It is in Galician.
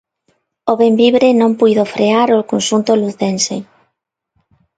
O Bembibre non puido frear o conxunto lucense.